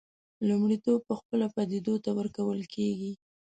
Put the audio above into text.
لومړیتوب پخپله پدیدو ته ورکول کېږي.